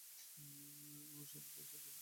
এমন সময় পায়ের শব্দ শুনলুম।